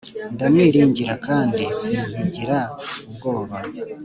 ndamwiringira kandi sinkigira ubwoba,